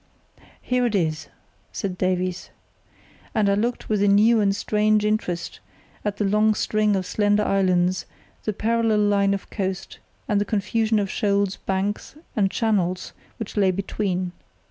"Here it is," said Davies [See Map A] and I looked with a new and strange interest at the long string of slender islands, the parallel line of coast, and the confusion of shoals, banks, and channels which lay between.